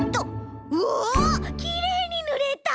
うおきれいにぬれた！